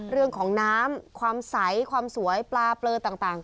เรื่องของน้ำความใสความสวยปลาเปลือต่าง